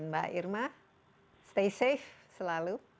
mbak irma stay safe selalu